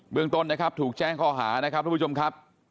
เมืองต้นนะครับถูกแจ้งข้อหานะครับทุกผู้ชมครับ